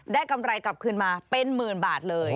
กำไรกลับคืนมาเป็นหมื่นบาทเลย